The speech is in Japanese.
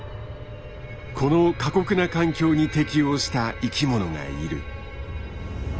この過酷な環境に適応した生きものがいる。